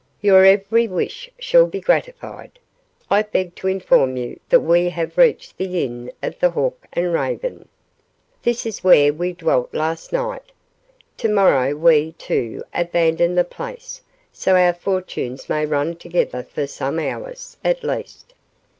"Your every wish shall be gratified. I beg to inform you that we have reached the Inn of the Hawk and Raven. This is where we dwelt last night. Tomorrow we, too, abandon the place, so our fortunes may run together for some hours, at least.